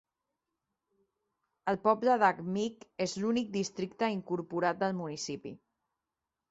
El poble d'Ahmeek és l'únic districte incorporat del municipi.